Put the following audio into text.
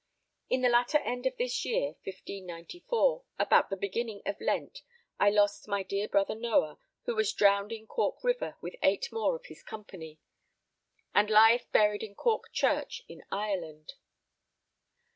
In the latter end of this year 1594 about the beginning of Lent, I lost my dear brother Noah, who was drowned in Cork river with eight more of his company, and lieth buried in Cork church in Ireland.